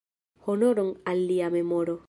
Honoron al lia memoro!